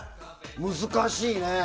難しいね。